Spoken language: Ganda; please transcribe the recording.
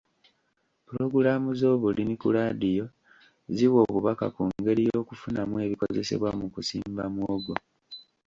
Pulogulaamu z'obulimi ku laadiyo ziwa obubaka ku ngeri y'okufunamu ebikozesebwa mu kusimba muwogo.